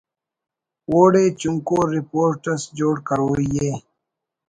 اوڑے چنکو رپورٹ اس جوڑ کروئی ءِ